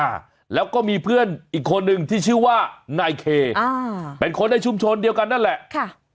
อ่าแล้วก็มีเพื่อนอีกคนนึงที่ชื่อว่านายเคอ่าเป็นคนในชุมชนเดียวกันนั่นแหละค่ะ